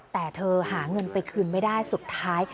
แต่เธอหาเงินไปคืนไม่ได้สุดท้าย